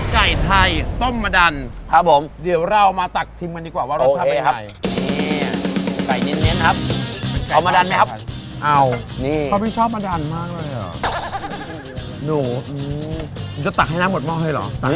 ไก่ไทยต้มมะดันเรามาตักชิมกันดีกว่าว่ารสชาตินี่ครับ